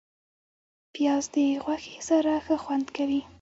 پیاز د غوښې سره ښه خوند کوي